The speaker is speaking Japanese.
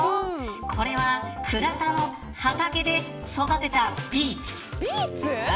これは倉田の畑で育てたビーツ。